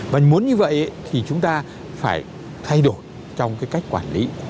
và muốn như vậy thì chúng ta phải thay đổi trong cái cách quản lý